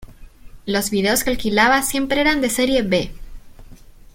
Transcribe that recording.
Los vídeos que alquilaba siempre eran de serie B.